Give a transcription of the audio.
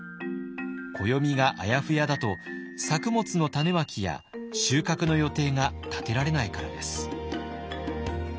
暦があやふやだと作物の種まきや収穫の予定が立てられないからです。